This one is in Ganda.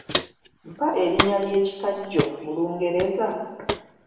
Mpa erinnya ly'ekikajjo mu Lungereza?